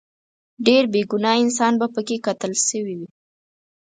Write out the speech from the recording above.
ډیر بې ګناه انسانان به پکې قتل شوي وي.